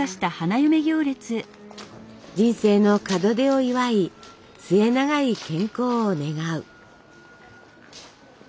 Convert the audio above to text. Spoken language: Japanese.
人生の門出を祝い末永い健康を願う。